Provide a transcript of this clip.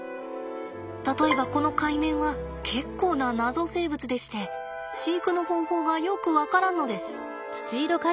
例えばこのカイメンは結構な謎生物でして飼育の方法がよく分からんのです。